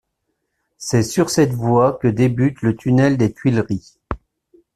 C'est sur cette voie que débute le tunnel des Tuileries.